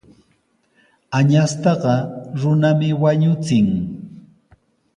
Añastaqa runami wañuchin.